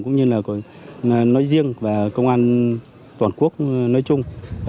cũng như là của nơi riêng và công an toàn quốc nơi chung